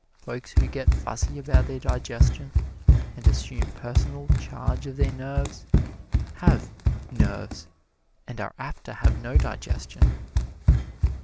Folks who get fussy about their digestion and assume personal charge of their nerves have "nerves" and are apt to have no digestion.